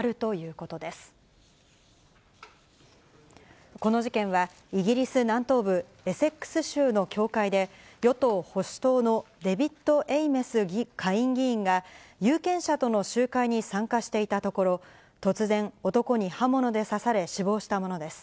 この事件はイギリス南東部エセックス州の教会で、与党・保守党のデビット・エイメス下院議員が、有権者との集会に参加していたところ、突然、男に刃物で刺され死亡したものです。